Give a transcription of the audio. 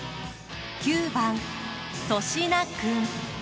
９番粗品君。